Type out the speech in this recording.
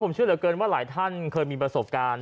ผมเชื่อเหลือเกินว่าหลายท่านเคยมีประสบการณ์